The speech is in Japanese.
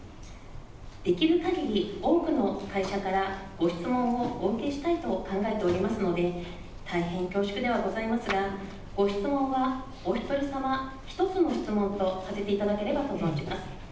できるかぎり多くの会社からご質問をお受けしたいと考えておりますので、大変恐縮ではございますが、ご質問はお一人様１つの質問とさせていただければと存じます。